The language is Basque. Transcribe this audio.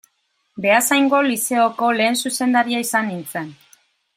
Beasaingo Lizeoko lehen zuzendaria izan nintzen.